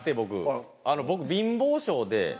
僕貧乏性で。